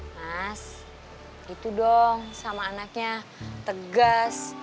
mas itu dong sama anaknya tegas